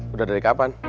udah dari kapan